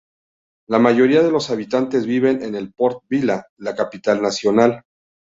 La mayoría de los habitantes viven en Port Vila, la capital nacional.